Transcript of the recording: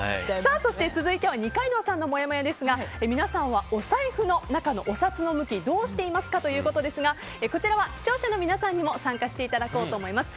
そして、続いては二階堂さんのもやもやですが皆さんはお財布の中のお札の向きどうしていますかということですがこちらは視聴者の皆さんにも参加していただこうと思います。